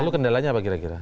lalu kendalanya apa kira kira